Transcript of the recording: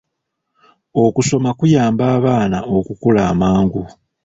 Okusoma kuyamba abaana okukula amangu.